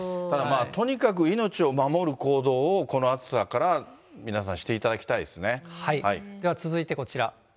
とにかく命を守る行動をこの暑さから皆さんしていただきたいでは続いてこちら。